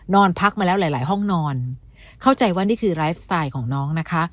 นอนพักมาแล้วหลายหลายห้องนอนเข้าใจว่านี่คือไลฟ์สไตล์ของน้องนะคะ